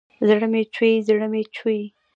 زړه مې چوي ، زړه مې چوي